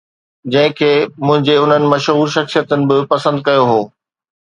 جنهن کي منهنجي انهن مشهور شخصيتن به پسند ڪيو هو.